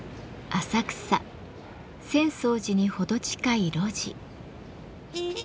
浅草寺に程近い路地。